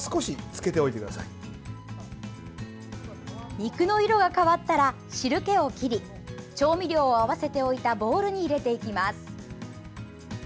肉の色が変わったら汁けを切り調味料を合わせておいたボウルに入れていきます。